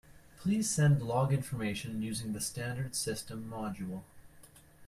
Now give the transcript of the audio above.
Please send log information using the standard system module.